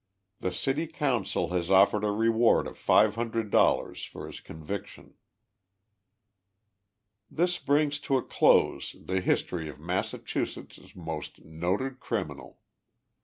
llie City Council has offered a reward of $500 for his con viction." This brings to a close the history of Massachusetts' most noted criminal.